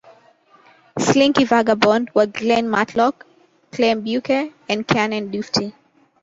Slinky Vagabond were Glen Matlock, Clem Burke, and Keanan Duffty.